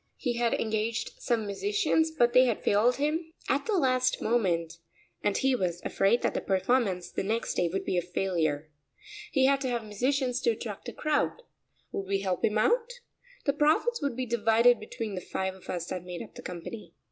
He had engaged some musicians but they had failed him at the last moment and he was afraid that the performance the next day would be a failure. He had to have musicians to attract a crowd. Would we help him out? The profits would be divided between the five of us that made up the company.